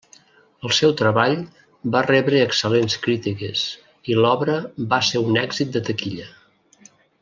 El seu treball va rebre excel·lents crítiques i l'obra va ser un èxit de taquilla.